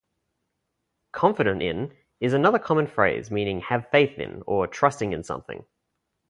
"Confident in" is another common phrase meaning having faith in or trusting in something.